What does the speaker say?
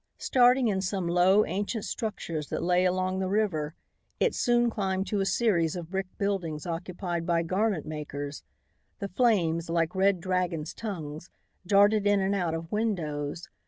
Starting in some low, ancient structures that lay along the river, it soon climbed to a series of brick buildings occupied by garment makers. The flames, like red dragons' tongues, darted in and out of windows.